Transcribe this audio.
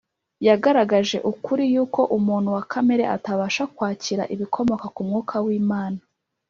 , yagaragaje ukuri yuko umuntu wa kamere atabasha kwakira ibikomoka ku Mwuka w’Imana